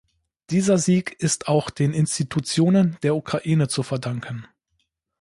Dieser Sieg ist auch den Institutionen der Ukraine zu verdanken.